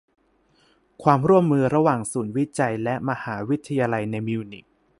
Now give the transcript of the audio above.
ความร่วมมือระหว่างศูนย์วิจัยและมหาวิทยาลัยในมิวนิก